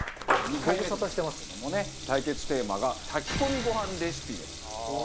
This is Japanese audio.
対決テーマが炊き込みご飯レシピですと。